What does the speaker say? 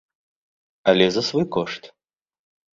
Але за свой кошт.